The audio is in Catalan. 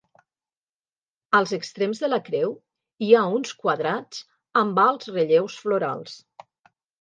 Als extrems de la creu hi ha uns quadrats amb alts relleus florals.